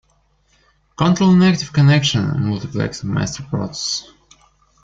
Control an active connection multiplexing master process.